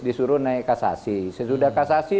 disuruh naik kasasi sesudah kasasi